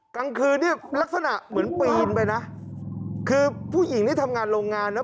กลางคืนนี่ลักษณะเหมือนปีนไปนะคือผู้หญิงนี่ทำงานโรงงานนะ